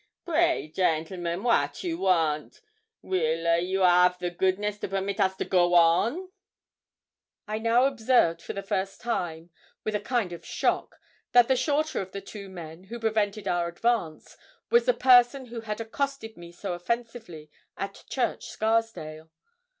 'Pray, gentlemen, wat you want? weel a you 'av the goodness to permit us to go on?' I now observed for the first time, with a kind of shock, that the shorter of the two men, who prevented our advance, was the person who had accosted me so offensively at Church Scarsdale.